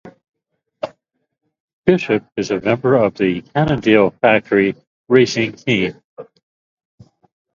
Bishop is a member of the Cannondale Factory Racing Team.